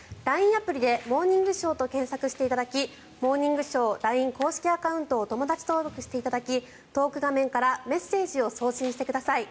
アプリで「モーニングショー」と検索していただき「モーニングショー」のＬＩＮＥ公式アカウントを友だち登録していただきトーク画面からメッセージを送信してください。